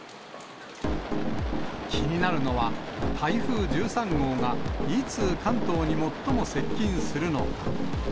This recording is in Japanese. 気になるのは、台風１３号がいつ、関東に最も接近するのか。